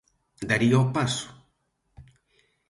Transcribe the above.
Daría o paso?